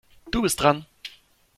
Du bist dran.